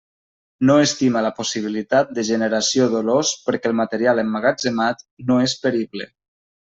No estima la possibilitat de generació d'olors perquè el material emmagatzemat no és perible.